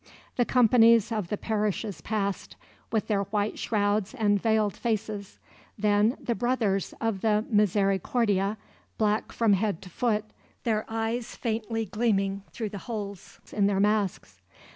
The companies of the parishes passed, with their white shrouds and veiled faces; then the brothers of the Misericordia, black from head to foot, their eyes faintly gleaming through the holes in their masks.